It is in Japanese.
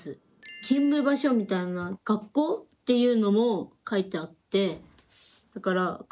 勤務場所みたいな学校っていうのも書いてあって。